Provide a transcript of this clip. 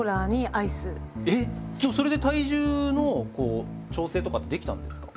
えっ⁉でもそれで体重のこう調整とかできたんですか？